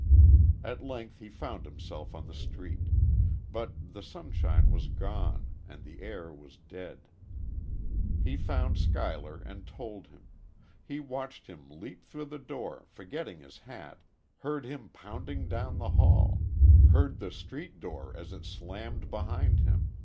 At length he found himself on the street. But the sunshine was gone, and the air was dead.... He found Schuyler, and told him.... He watched him leap through the door, forgetting his hat heard him pounding down the hall heard the street door as it slammed behind him.